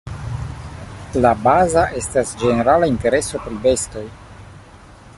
La baza estas ĝenerala intereso pri bestoj.